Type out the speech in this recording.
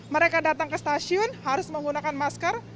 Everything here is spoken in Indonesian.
mereka datang ke stasiun harus menggunakan masker